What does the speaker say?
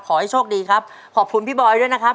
ขอให้โชคดีครับขอบคุณพี่บอยด้วยนะครับ